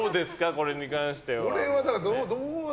これに関しては。